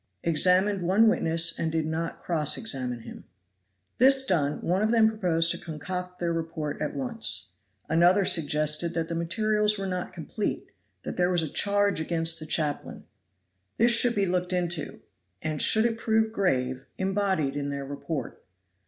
Examined one witness and did not cross examine him. This done, one of them proposed to concoct their report at once. Another suggested that the materials were not complete; that there was a charge against the chaplain. This should be looked into, and should it prove grave, embodied in their report.